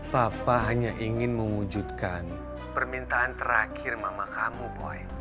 papa hanya ingin mewujudkan permintaan terakhir mama kamu boy